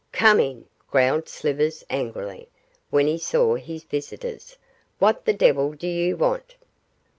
'Come in,' growled Slivers, angrily, when he saw his visitors. 'What the devil do you want?